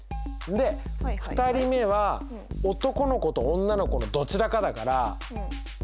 ２人目は男の子と女の子のどちらかだから！